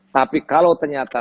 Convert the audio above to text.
tapi kalau ternyata